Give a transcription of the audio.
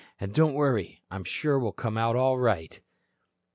"And don't worry. I'm sure we'll come out all right."